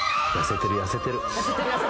痩せてる痩せてる。